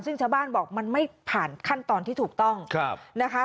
ซึ่งชาวบ้านบอกมันไม่ผ่านขั้นตอนที่ถูกต้องนะคะ